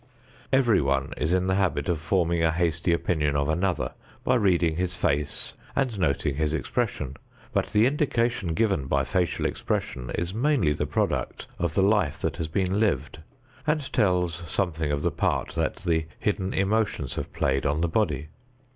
Everyone is in the habit of forming a hasty opinion of another by reading his face and noting his expression. But the indication given by facial expression is mainly the product of the life that has been lived, and tells something of the part that the hidden emotions have played on the body.